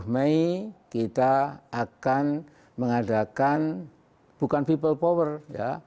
dua puluh mei kita akan mengadakan bukan people power ya